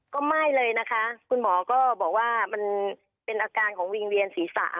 ไม่เลยนะคะคุณหมอก็บอกว่ามันเป็นอาการของวิงเวียนศีรษะ